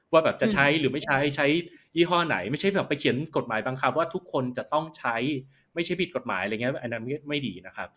ว่าแบบจะใช้หรือไม่ใช้ใช้ยี่ห้อไหนไม่ใช่แบบไปเขียนกฎหมายบังคับว่าทุกคนจะต้องใช้ไม่ใช่ผิดกฎหมายอะไรอย่างนี้อันนั้นไม่ดีนะครับ